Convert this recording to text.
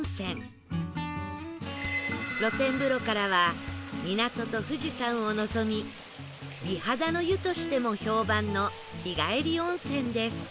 露天風呂からは港と富士山を望み美肌の湯としても評判の日帰り温泉です